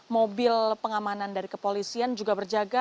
mobil pengamanan dari kepolisian juga berjaga